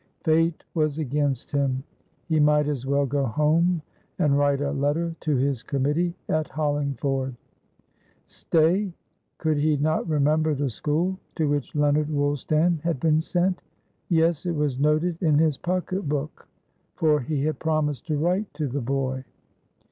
Fate was against him. He might as well go home and write a letter to his committee at Hollingford. Stay, could he not remember the school to which Leonard Woolstan had been sent? Yes it was noted in his pocket book; for he had promised to write to the boy.